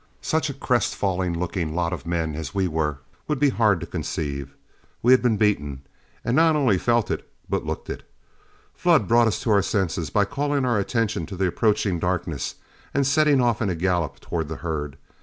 Such a crestfallen looking lot of men as we were would be hard to conceive. We had been beaten, and not only felt it but looked it. Flood brought us to our senses by calling our attention to the approaching darkness, and setting off in a gallop toward the herd.